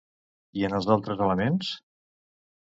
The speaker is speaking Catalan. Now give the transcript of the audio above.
I en els altres elements?